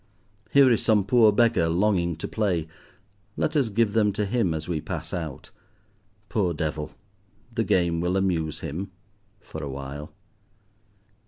Here is some poor beggar longing to play, let us give them to him as we pass out. Poor devil! the game will amuse him—for a while.